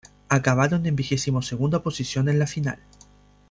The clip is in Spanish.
Acabaron en vigesimosegunda posición en la final.